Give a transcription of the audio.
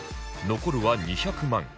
残るは２００万